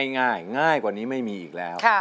ง่ายง่ายกว่านี้ไม่มีอีกแล้ว